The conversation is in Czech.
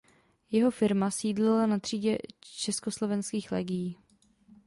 Jeho firma sídlila na třídě Čsl.